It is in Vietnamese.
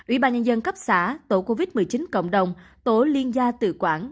ủy ban nhân dân cấp xã tổ covid một mươi chín cộng đồng tổ liên gia tự quản